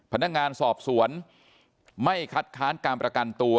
พนักงานสอบสวนไม่คัดค้านการประกันตัว